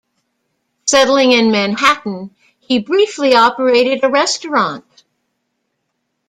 Settling in Manhattan, he briefly operated a restaurant.